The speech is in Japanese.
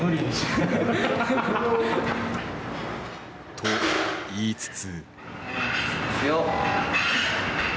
といいつつ。